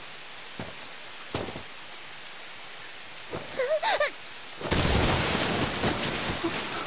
あっ。